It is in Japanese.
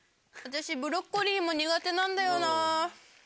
私ブロッコリーも苦手なんだよな。